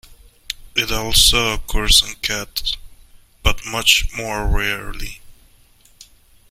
It also occurs in cats, but much more rarely.